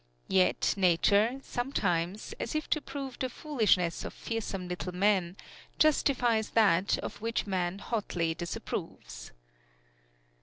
Yet Nature, sometimes, as if to prove the foolishness of fearsome little man, justifies that of which man hotly disapproves.